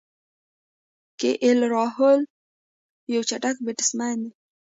کی ایل راهوله یو چټک بیټسمېن دئ.